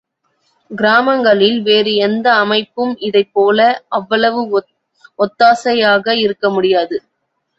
கிராமங்களில் வேறு எந்த அமைப்பும் இதைப் போல அவ்வளவு ஒத்தாசையாக இருக்க முடியாது.